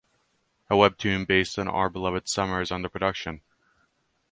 A webtoon based on "Our Beloved Summer" is under production.